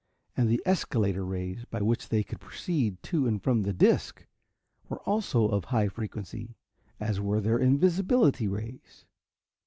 And the escalator rays, by which they could proceed to and from the disc, were also of high frequency, as were their invisibility rays.